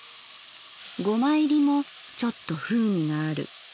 ゴマ入りもちょっと風味がある。